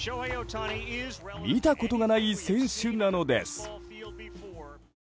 見たことがない選手なのです。